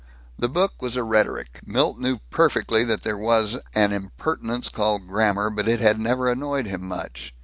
The book was a rhetoric. Milt knew perfectly that there was an impertinence called grammar, but it had never annoyed him much.